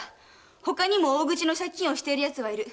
他にも大口の借金をしてる奴はいる。